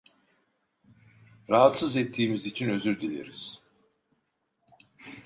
Rahatsız ettiğimiz için özür dileriz.